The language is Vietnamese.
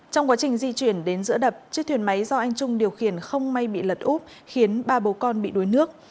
trong quá trình di chuyển đến giữa đập chiếc thuyền máy do anh trung điều khiển không may bị lật úp khiến ba bố con bị đuối nước